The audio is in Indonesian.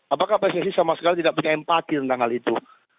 apakah pssi sama sekali tidak punya empati tentang hal itu